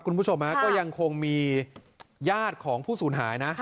คุณผู้ชมก็ยังคงมีญาติของผู้สูญหายนะ